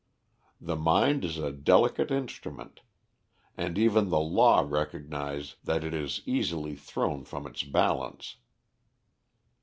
The mind is a delicate instrument, and even the law recognises that it is easily thrown from its balance.